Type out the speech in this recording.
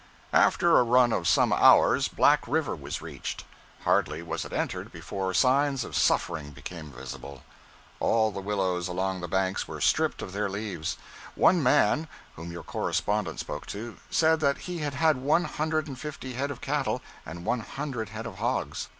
After a run of some hours, Black River was reached. Hardly was it entered before signs of suffering became visible. All the willows along the banks were stripped of their leaves. One man, whom your correspondent spoke to, said that he had had one hundred and fifty head of cattle and one hundred head of hogs.